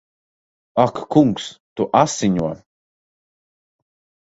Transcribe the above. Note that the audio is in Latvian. Ak kungs! Tu asiņo!